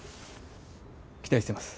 期待してます。